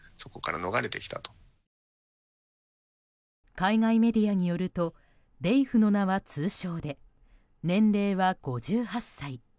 海外メディアによるとデイフの名は通称で年齢は５８歳。